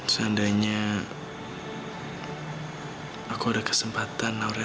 seandainya aku ada kesempatan